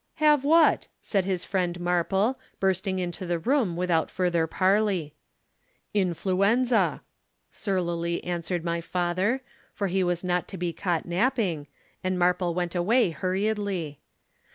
"'"Have what?" said his friend Marple, bursting into the room without further parley. "'"Influenza," surlily answered my father, for he was not to be caught napping, and Marple went away hurriedly.